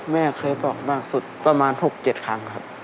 แม่เคยบอกมากสุดประมาณ๖๗ครั้งครับ